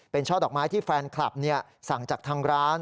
เป็นช่อดอกไม้ที่แฟนคลับสั่งจากทางร้าน